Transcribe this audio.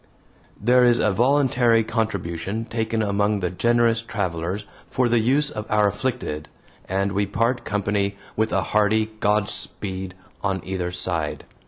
There is a voluntary contribution taken among the generous travelers for the use of our afflicted, and we part company with a hearty "Godspeed" on either side.